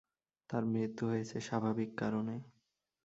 তাঁর মৃত্যু হয়েছে স্বাভাবিক কারণে।